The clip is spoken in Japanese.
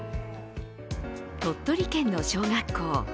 鳥取県の小学校。